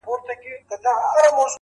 د ورځي سور وي رسوایي پکښي،